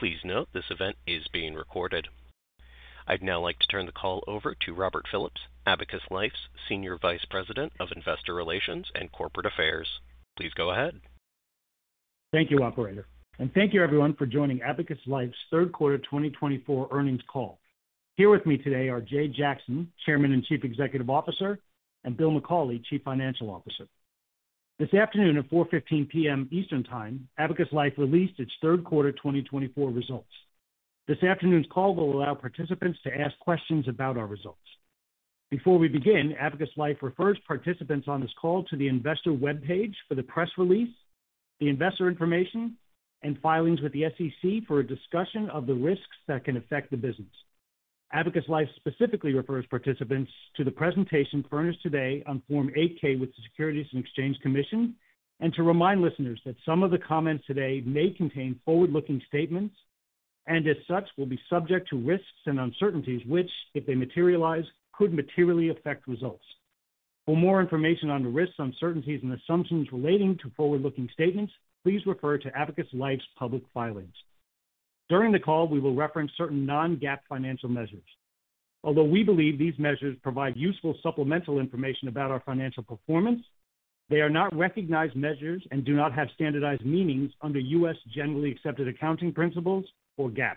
Please note this event is being recorded. I'd now like to turn the call over to Robert Phillips, Abacus Life's Senior Vice President of Investor Relations and Corporate Affairs. Please go ahead. Thank you, Operator. And thank you, everyone, for joining Abacus Life's third quarter 2024 earnings call. Here with me today are Jay Jackson, Chairman and Chief Executive Officer, and Bill McCauley, Chief Financial Officer. This afternoon at 4:15 P.M. Eastern Time, Abacus Life released its third quarter 2024 results. This afternoon's call will allow participants to ask questions about our results. Before we begin, Abacus Life refers participants on this call to the investor web page for the press release, the investor information, and filings with the SEC for a discussion of the risks that can affect the business. Abacus Life specifically refers participants to the presentation furnished today on Form 8-K with the Securities and Exchange Commission and to remind listeners that some of the comments today may contain forward-looking statements and, as such, will be subject to risks and uncertainties which, if they materialize, could materially affect results. For more information on the risks, uncertainties, and assumptions relating to forward-looking statements, please refer to Abacus Life's public filings. During the call, we will reference certain non-GAAP financial measures. Although we believe these measures provide useful supplemental information about our financial performance, they are not recognized measures and do not have standardized meanings under U.S. generally accepted accounting principles or GAAP.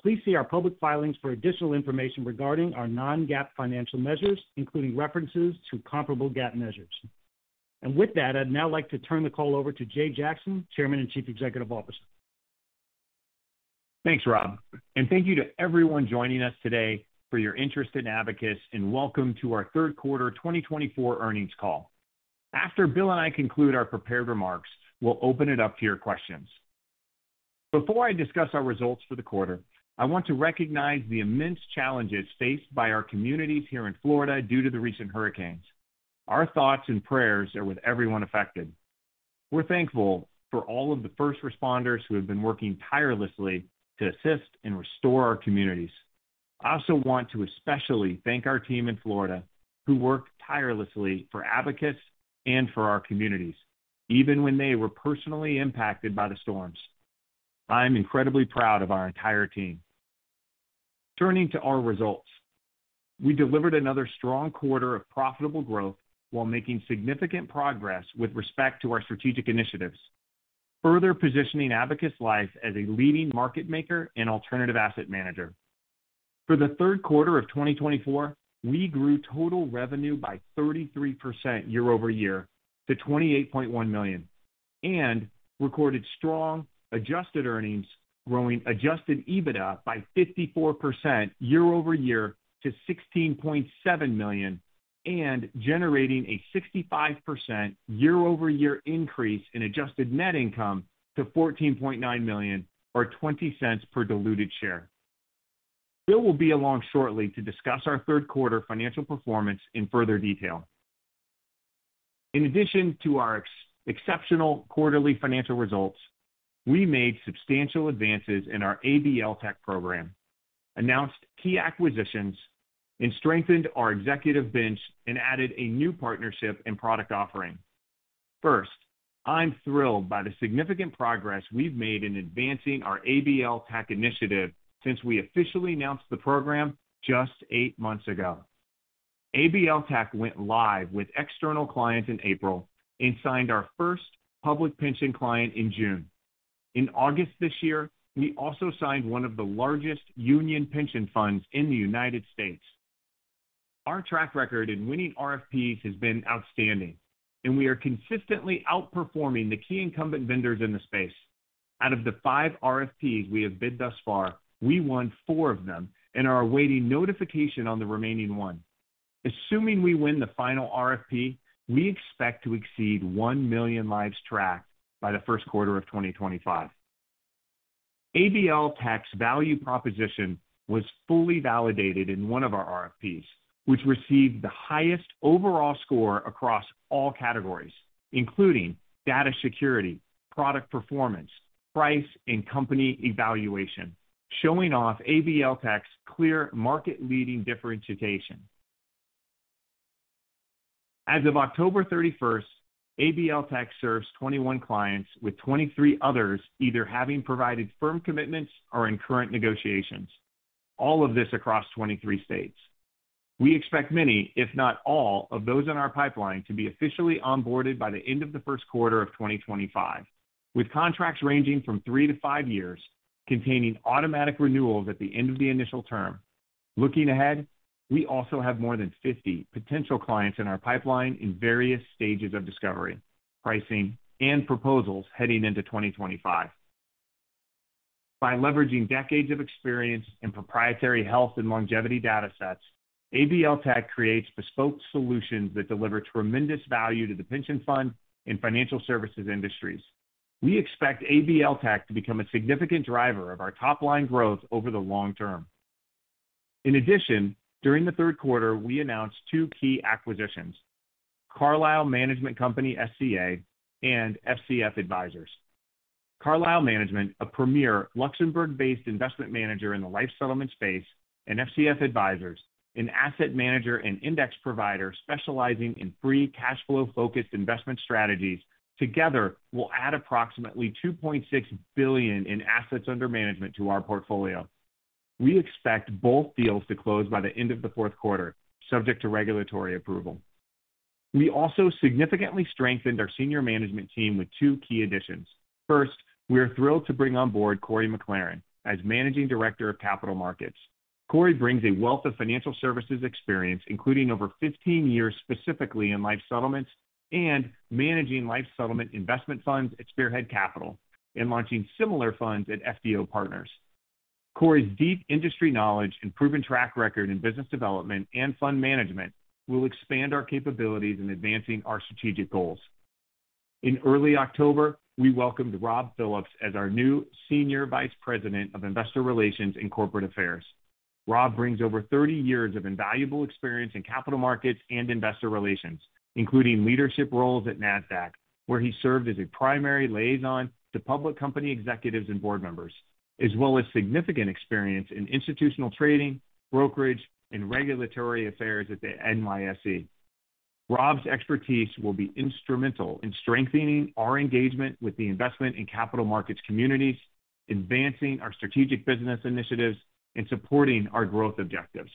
Please see our public filings for additional information regarding our non-GAAP financial measures, including references to comparable GAAP measures. And with that, I'd now like to turn the call over to Jay Jackson, Chairman and Chief Executive Officer. Thanks, Rob, and thank you to everyone joining us today for your interest in Abacus, and welcome to our third quarter 2024 earnings call. After Bill and I conclude our prepared remarks, we'll open it up to your questions. Before I discuss our results for the quarter, I want to recognize the immense challenges faced by our communities here in Florida due to the recent hurricanes. Our thoughts and prayers are with everyone affected. We're thankful for all of the first responders who have been working tirelessly to assist and restore our communities. I also want to especially thank our team in Florida who worked tirelessly for Abacus and for our communities, even when they were personally impacted by the storms. I'm incredibly proud of our entire team. Turning to our results, we delivered another strong quarter of profitable growth while making significant progress with respect to our strategic initiatives, further positioning Abacus Life as a leading market maker and alternative asset manager. For the third quarter of 2024, we grew total revenue by 33% year over year to $28.1 million and recorded strong adjusted earnings, growing Adjusted EBITDA by 54% year over year to $16.7 million and generating a 65% year over year increase in Adjusted Net Income to $14.9 million, or $0.20 per diluted share. Bill will be along shortly to discuss our third quarter financial performance in further detail. In addition to our exceptional quarterly financial results, we made substantial advances in our ABL Tech program, announced key acquisitions, and strengthened our executive bench and added a new partnership and product offering. First, I'm thrilled by the significant progress we've made in advancing our ABL Tech initiative since we officially announced the program just eight months ago. ABL Tech went live with external clients in April and signed our first public pension client in June. In August this year, we also signed one of the largest union pension funds in the United States. Our track record in winning RFPs has been outstanding, and we are consistently outperforming the key incumbent vendors in the space. Out of the five RFPs we have bid thus far, we won four of them and are awaiting notification on the remaining one. Assuming we win the final RFP, we expect to exceed $1 million lives tracked by the first quarter of 2025. ABL Tech's value proposition was fully validated in one of our RFPs, which received the highest overall score across all categories, including data security, product performance, price, and company evaluation, showing off ABL Tech's clear market-leading differentiation. As of October 31st, ABL Tech serves 21 clients, with 23 others either having provided firm commitments or in current negotiations, all of this across 23 states. We expect many, if not all, of those in our pipeline to be officially onboarded by the end of the first quarter of 2025, with contracts ranging from three to five years, containing automatic renewals at the end of the initial term. Looking ahead, we also have more than 50 potential clients in our pipeline in various stages of discovery, pricing, and proposals heading into 2025. By leveraging decades of experience in proprietary health and longevity data sets, ABL Tech creates bespoke solutions that deliver tremendous value to the pension fund and financial services industries. We expect ABL Tech to become a significant driver of our top-line growth over the long term. In addition, during the third quarter, we announced two key acquisitions. Carlisle Management Company SCA and FCF Advisors. Carlisle Management, a premier Luxembourg-based investment manager in the life settlement space, and FCF Advisors, an asset manager and index provider specializing in free cash flow-focused investment strategies, together will add approximately $2.6 billion in assets under management to our portfolio. We expect both deals to close by the end of the fourth quarter, subject to regulatory approval. We also significantly strengthened our senior management team with two key additions. First, we are thrilled to bring onboard Corey McLaren as Managing Director of Capital Markets. Corey brings a wealth of financial services experience, including over 15 years specifically in life settlements and managing life settlement investment funds at Spearhead Capital and launching similar funds at FDO Partners. Corey's deep industry knowledge and proven track record in business development and fund management will expand our capabilities in advancing our strategic goals. In early October, we welcomed Rob Phillips as our new Senior Vice President of Investor Relations and Corporate Affairs. Rob brings over 30 years of invaluable experience in capital markets and investor relations, including leadership roles at NASDAQ, where he served as a primary liaison to public company executives and board members, as well as significant experience in institutional trading, brokerage, and regulatory affairs at the NYSE. Rob's expertise will be instrumental in strengthening our engagement with the investment and capital markets communities, advancing our strategic business initiatives, and supporting our growth objectives.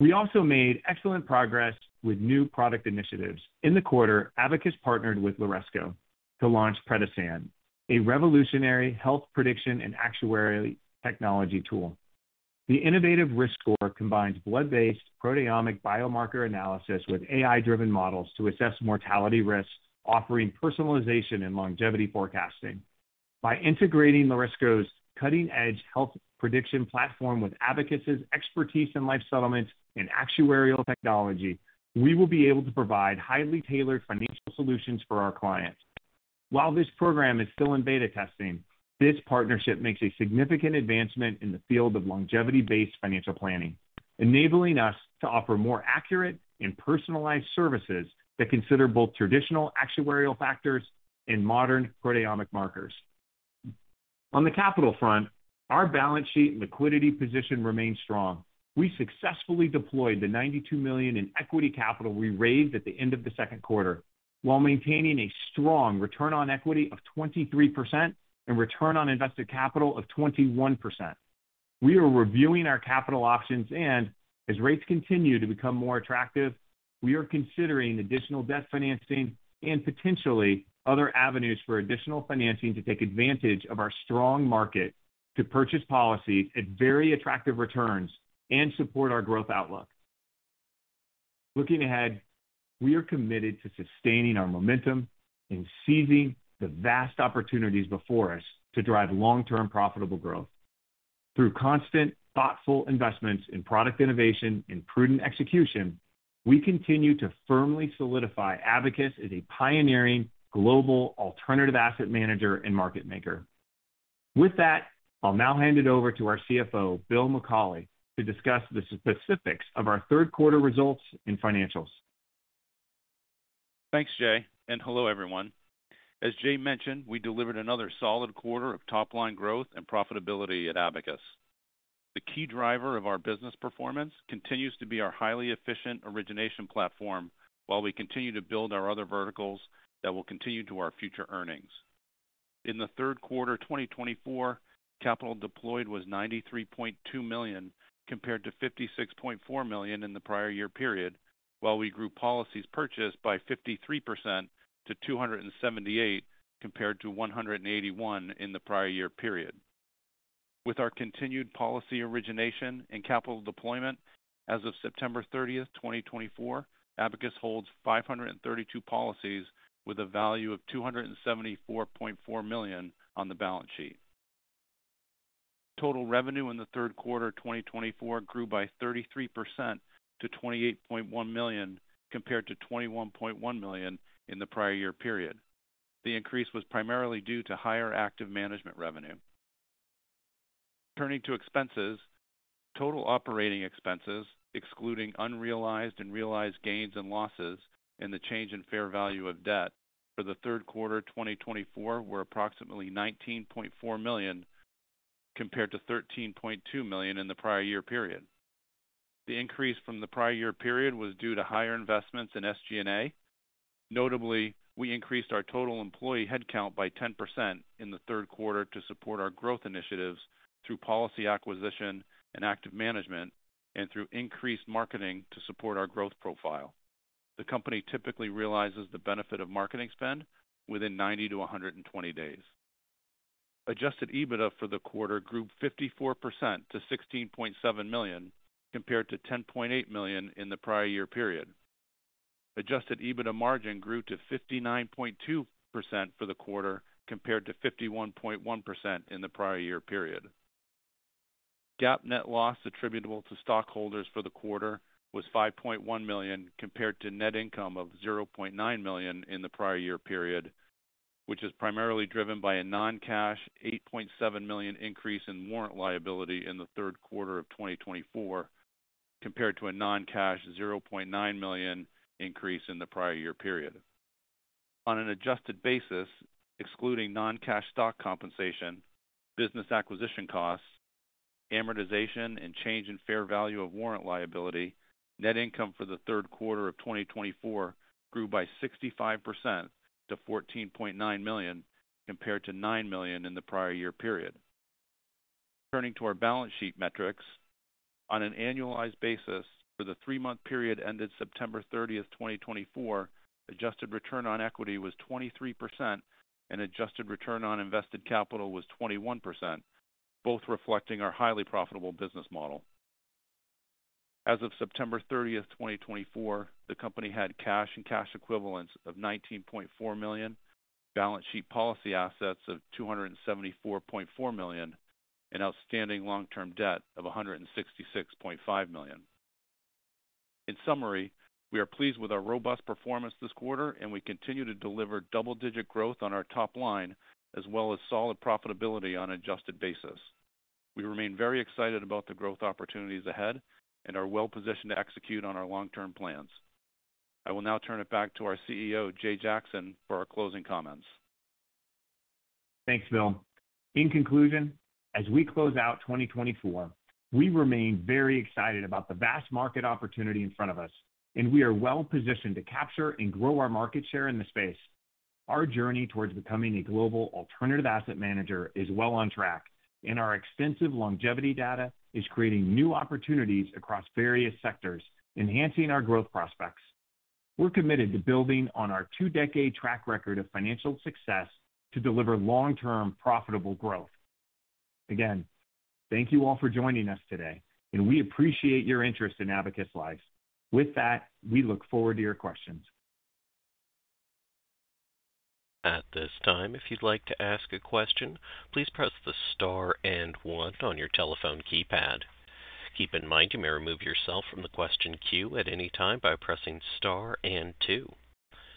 We also made excellent progress with new product initiatives. In the quarter, Abacus partnered with Lorisco to launch PREADISAN, a revolutionary health prediction and actuarial technology tool. The innovative risk score combines blood-based proteomic biomarker analysis with AI-driven models to assess mortality risk, offering personalization and longevity forecasting. By integrating Lorisco’s cutting-edge health prediction platform with Abacus's expertise in life settlements and actuarial technology, we will be able to provide highly tailored financial solutions for our clients. While this program is still in beta testing, this partnership makes a significant advancement in the field of longevity-based financial planning, enabling us to offer more accurate and personalized services that consider both traditional actuarial factors and modern proteomic markers. On the capital front, our balance sheet and liquidity position remains strong. We successfully deployed the $92 million in equity capital we raised at the end of the second quarter, while maintaining a strong return on equity of 23% and return on invested capital of 21%. We are reviewing our capital options, and as rates continue to become more attractive, we are considering additional debt financing and potentially other avenues for additional financing to take advantage of our strong market to purchase policies at very attractive returns and support our growth outlook. Looking ahead, we are committed to sustaining our momentum and seizing the vast opportunities before us to drive long-term profitable growth. Through constant, thoughtful investments in product innovation and prudent execution, we continue to firmly solidify Abacus as a pioneering global alternative asset manager and market maker. With that, I'll now hand it over to our CFO, Bill McCauley, to discuss the specifics of our third quarter results and financials. Thanks, Jay. And hello, everyone. As Jay mentioned, we delivered another solid quarter of top-line growth and profitability at Abacus. The key driver of our business performance continues to be our highly efficient origination platform, while we continue to build our other verticals that will continue to our future earnings. In the third quarter 2024, capital deployed was $93.2 million compared to $56.4 million in the prior year period, while we grew policies purchased by 53% to $278 million compared to $181 million in the prior year period. With our continued policy origination and capital deployment, as of September 30th, 2024, Abacus holds 532 policies with a value of $274.4 million on the balance sheet. Our total revenue in the third quarter 2024 grew by 33% to $28.1 million compared to $21.1 million in the prior year period. The increase was primarily due to higher active management revenue. Returning to expenses, our total operating expenses, excluding unrealized and realized gains and losses and the change in fair value of debt for the third quarter 2024, were approximately $19.4 million compared to $13.2 million in the prior year period. The increase from the prior year period was due to higher investments in SG&A. Notably, we increased our total employee headcount by 10% in the third quarter to support our growth initiatives through policy acquisition and active management and through increased marketing to support our growth profile. The company typically realizes the benefit of marketing spend within 90 to 120 days. Adjusted EBITDA for the quarter grew 54% to $16.7 million compared to $10.8 million in the prior year period. Adjusted EBITDA margin grew to 59.2% for the quarter compared to 51.1% in the prior year period. GAAP net loss attributable to stockholders for the quarter was $5.1 million compared to net income of $0.9 million in the prior year period, which is primarily driven by a non-cash $8.7 million increase in warrant liability in the third quarter of 2024 compared to a non-cash $0.9 million increase in the prior year period. On an adjusted basis, excluding non-cash stock compensation, business acquisition costs, amortization, and change in fair value of warrant liability, net income for the third quarter of 2024 grew by 65% to $14.9 million compared to $9 million in the prior year period. Turning to our balance sheet metrics, on an annualized basis, for the three-month period ended September 30th, 2024, adjusted return on equity was 23% and adjusted return on invested capital was 21%, both reflecting our highly profitable business model. As of September 30th, 2024, the company had cash and cash equivalents of $19.4 million, balance sheet policy assets of $274.4 million, and outstanding long-term debt of $166.5 million. In summary, we are pleased with our robust performance this quarter, and we continue to deliver double-digit growth on our top line, as well as solid profitability on an adjusted basis. We remain very excited about the growth opportunities ahead and are well-positioned to execute on our long-term plans. I will now turn it back to our CEO, Jay Jackson, for our closing comments. Thanks, Bill. In conclusion, as we close out 2024, we remain very excited about the vast market opportunity in front of us, and we are well-positioned to capture and grow our market share in the space. Our journey towards becoming a global alternative asset manager is well on track, and our extensive longevity data is creating new opportunities across various sectors, enhancing our growth prospects. We're committed to building on our two-decade track record of financial success to deliver long-term profitable growth. Again, thank you all for joining us today, and we appreciate your interest in Abacus Life. With that, we look forward to your questions. At this time, if you'd like to ask a question, please press the star and one on your telephone keypad. Keep in mind, you may remove yourself from the question queue at any time by pressing star and two.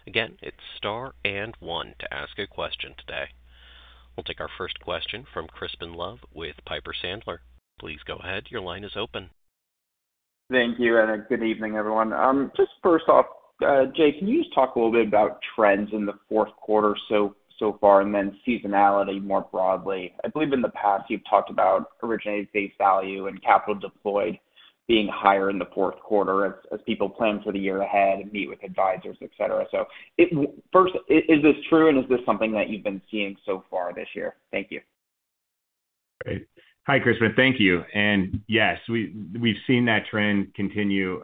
Again, it's star and one to ask a question today. We'll take our first question from Crispin Love with Piper Sandler. Please go ahead. Your line is open. Thank you. And good evening, everyone. Just first off, Jay, can you just talk a little bit about trends in the fourth quarter so far and then seasonality more broadly? I believe in the past you've talked about originating face value and capital deployed being higher in the fourth quarter as people plan for the year ahead and meet with advisors, etc. So first, is this true and is this something that you've been seeing so far this year? Thank you. Great. Hi, Crispin. Thank you. And yes, we've seen that trend continue.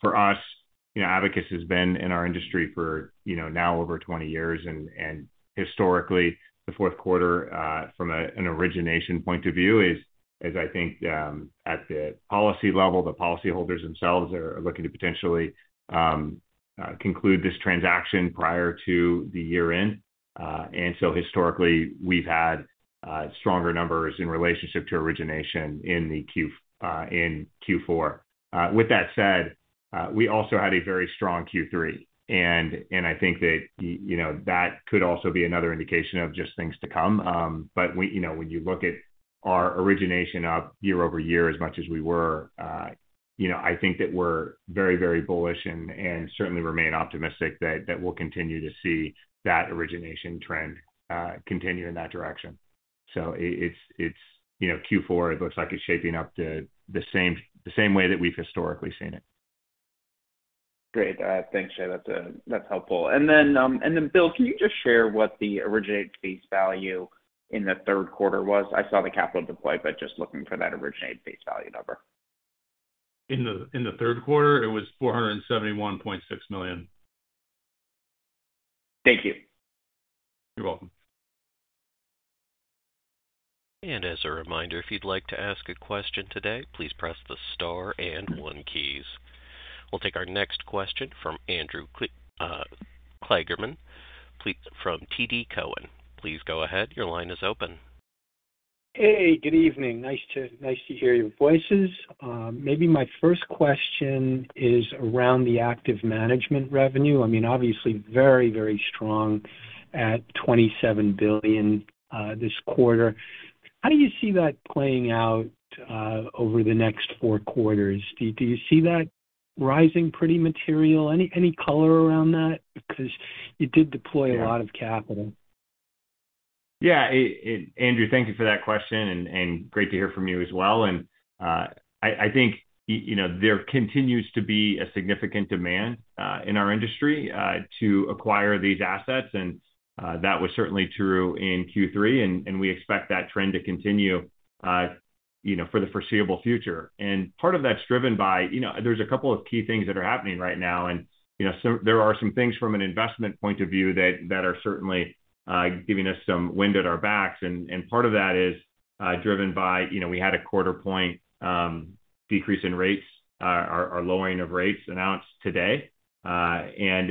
For us, Abacus has been in our industry for now over 20 years. And historically, the fourth quarter from an origination point of view is, as I think, at the policy level, the policyholders themselves are looking to potentially conclude this transaction prior to the year-end. And so historically, we've had stronger numbers in relationship to origination in Q4. With that said, we also had a very strong Q3. And I think that that could also be another indication of just things to come. But when you look at our origination up year over year as much as we were, I think that we're very, very bullish and certainly remain optimistic that we'll continue to see that origination trend continue in that direction. So it's Q4, it looks like it's shaping up the same way that we've historically seen it. Great. Thanks, Jay. That's helpful. And then, Bill, can you just share what the originated face value in the third quarter was? I saw the capital deploy, but just looking for that originated face value number. In the third quarter, it was $471.6 million. Thank you. You're welcome. As a reminder, if you'd like to ask a question today, please press the star and one keys. We'll take our next question from Andrew Kligerman from TD Cowen. Please go ahead. Your line is open. Hey, good evening. Nice to hear your voices. Maybe my first question is around the active management revenue. I mean, obviously very, very strong at $27 billion this quarter. How do you see that playing out over the next four quarters? Do you see that rising pretty material? Any color around that? Because you did deploy a lot of capital. Yeah. Andrew, thank you for that question. And great to hear from you as well. And I think there continues to be a significant demand in our industry to acquire these assets. And that was certainly true in Q3. And we expect that trend to continue for the foreseeable future. And part of that's driven by there's a couple of key things that are happening right now. And there are some things from an investment point of view that are certainly giving us some wind at our backs. And part of that is driven by we had a quarter-point decrease in rates, our lowering of rates announced today. And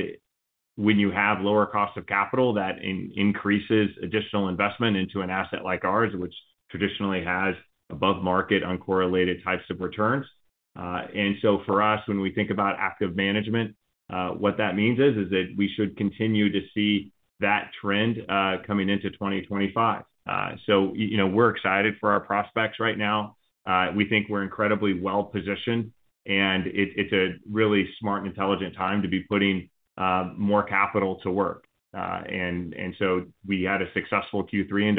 when you have lower cost of capital, that increases additional investment into an asset like ours, which traditionally has above-market uncorrelated types of returns. And so for us, when we think about active management, what that means is that we should continue to see that trend coming into 2025. So we're excited for our prospects right now. We think we're incredibly well-positioned. And it's a really smart and intelligent time to be putting more capital to work. And so we had a successful Q3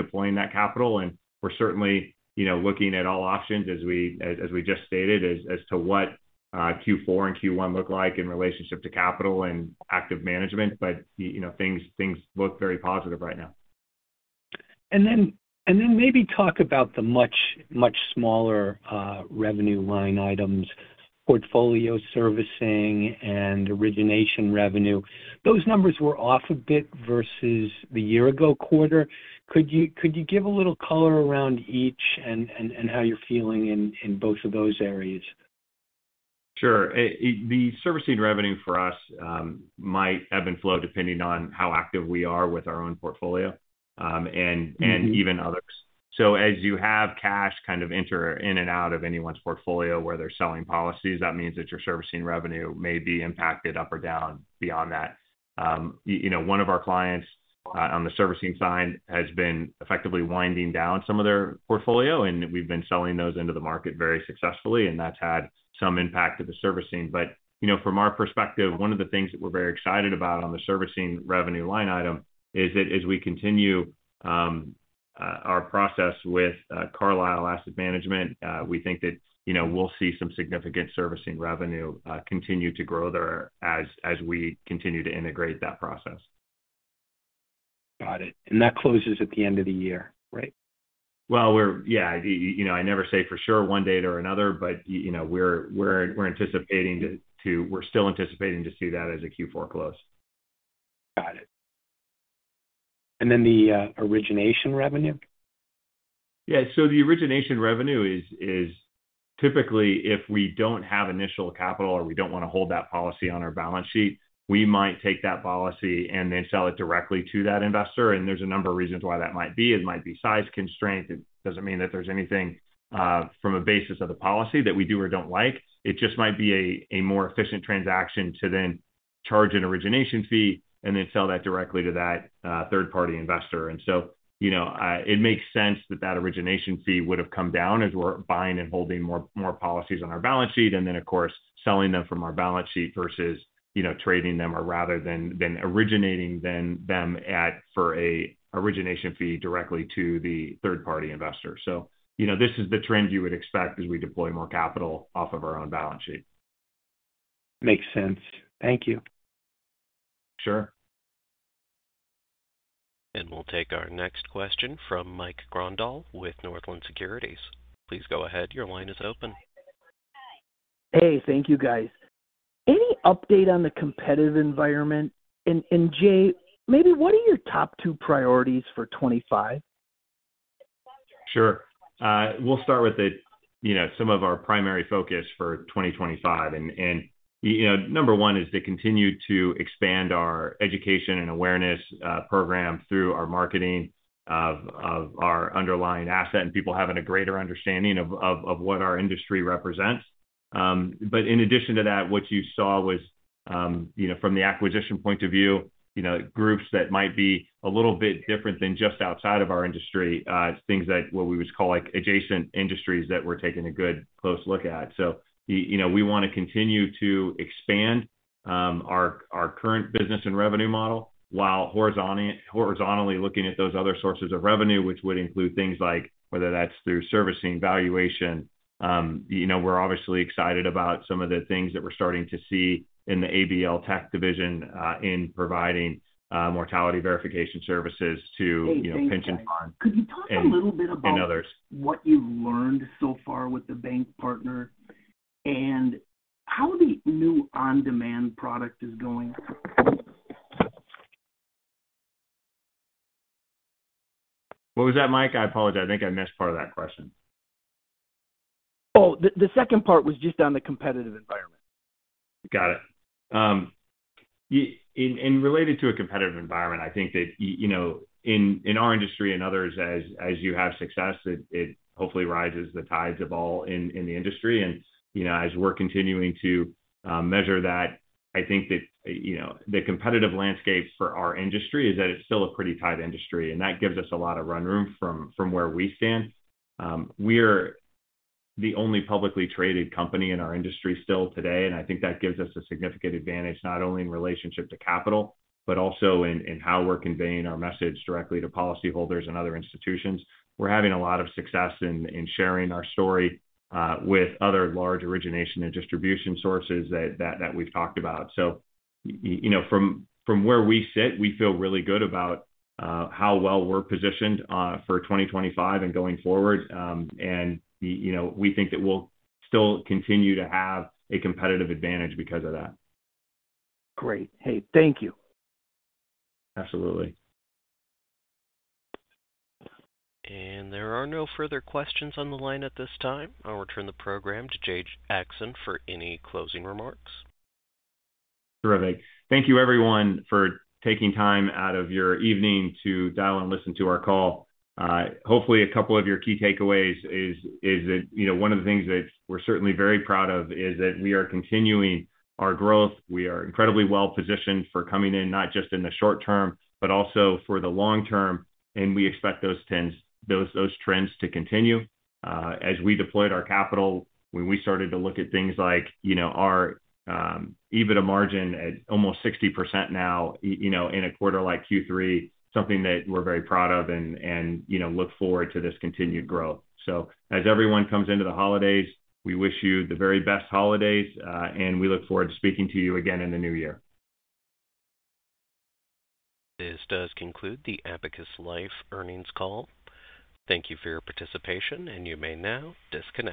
in deploying that capital. And we're certainly looking at all options, as we just stated, as to what Q4 and Q1 look like in relationship to capital and active management. But things look very positive right now. And then maybe talk about the much, much smaller revenue line items, portfolio servicing, and origination revenue. Those numbers were off a bit versus the year-ago quarter. Could you give a little color around each and how you're feeling in both of those areas? Sure. The servicing revenue for us might ebb and flow depending on how active we are with our own portfolio and even others. So as you have cash kind of enter in and out of anyone's portfolio where they're selling policies, that means that your servicing revenue may be impacted up or down beyond that. One of our clients on the servicing side has been effectively winding down some of their portfolio. And we've been selling those into the market very successfully. And that's had some impact to the servicing. But from our perspective, one of the things that we're very excited about on the servicing revenue line item is that as we continue our process with Carlisle Asset Management, we think that we'll see some significant servicing revenue continue to grow there as we continue to integrate that process. Got it. And that closes at the end of the year, right? Yeah. I never say for sure one day or another, but we're still anticipating to see that as a Q4 close. Got it. And then the origination revenue? Yeah. So the origination revenue is typically, if we don't have initial capital or we don't want to hold that policy on our balance sheet, we might take that policy and then sell it directly to that investor. And there's a number of reasons why that might be. It might be size constraint. It doesn't mean that there's anything from a basis of the policy that we do or don't like. It just might be a more efficient transaction to then charge an origination fee and then sell that directly to that third-party investor. And so it makes sense that that origination fee would have come down as we're buying and holding more policies on our balance sheet and then, of course, selling them from our balance sheet versus trading them or rather than originating them for an origination fee directly to the third-party investor. This is the trend you would expect as we deploy more capital off of our own balance sheet. Makes sense. Thank you. Sure. And we'll take our next question from Mike Grondahl with Northland Securities. Please go ahead. Your line is open. Hey, thank you, guys. Any update on the competitive environment? And Jay, maybe what are your top two priorities for 2025? Sure. We'll start with some of our primary focus for 2025, and number one is to continue to expand our education and awareness program through our marketing of our underlying asset and people having a greater understanding of what our industry represents, but in addition to that, what you saw was from the acquisition point of view, groups that might be a little bit different than just outside of our industry, things that, what we would call, adjacent industries that we're taking a good close look at, so we want to continue to expand our current business and revenue model while horizontally looking at those other sources of revenue, which would include things like whether that's through servicing, valuation. We're obviously excited about some of the things that we're starting to see in the ABL Tech division in providing mortality verification services to pension funds and others. Could you talk a little bit about what you've learned so far with the bank partner and how the new on-demand product is going? What was that, Mike? I apologize. I think I missed part of that question. Oh, the second part was just on the competitive environment. Got it. And related to a competitive environment, I think that in our industry and others, as you have success, it hopefully rises the tides of all in the industry. And as we're continuing to measure that, I think that the competitive landscape for our industry is that it's still a pretty tight industry. And that gives us a lot of run room from where we stand. We are the only publicly traded company in our industry still today. And I think that gives us a significant advantage not only in relationship to capital, but also in how we're conveying our message directly to policyholders and other institutions. We're having a lot of success in sharing our story with other large origination and distribution sources that we've talked about. So from where we sit, we feel really good about how well we're positioned for 2025 and going forward. And we think that we'll still continue to have a competitive advantage because of that. Great. Hey, thank you. Absolutely. There are no further questions on the line at this time. I'll return the program to Jay Jackson for any closing remarks. Terrific. Thank you, everyone, for taking time out of your evening to dial and listen to our call. Hopefully, a couple of your key takeaways is that one of the things that we're certainly very proud of is that we are continuing our growth. We are incredibly well-positioned for coming in not just in the short term, but also for the long term. And we expect those trends to continue. As we deployed our capital, when we started to look at things like our EBITDA margin at almost 60% now in a quarter like Q3, something that we're very proud of and look forward to this continued growth. So as everyone comes into the holidays, we wish you the very best holidays. And we look forward to speaking to you again in the new year. This does conclude the Abacus Life earnings call. Thank you for your participation, and you may now disconnect.